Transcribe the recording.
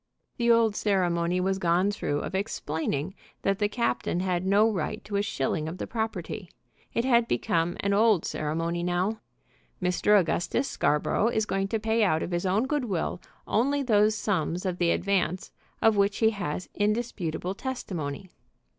The old ceremony was gone through of explaining that the captain had no right to a shilling of the property. It had become an old ceremony now. "Mr. Augustus Scarborough is going to pay out of his own good will only those sums of the advance of which he has indisputable testimony."